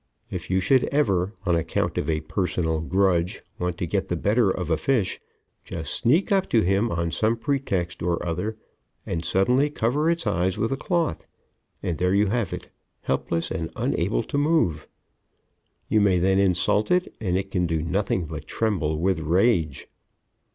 If you should ever, on account of a personal grudge, want to get the better of a fish, just sneak up to him on some pretext or other and suddenly cover its eyes with a cloth, and there you have it, helpless and unable to move. You may then insult it, and it can do nothing but tremble with rage.